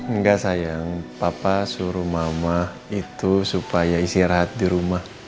enggak sayang papa suruh mama itu supaya istirahat di rumah